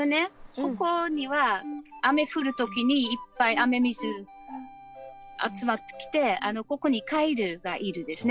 ここには雨降る時にいっぱい雨水集まってきてここにカエルがいるんですね。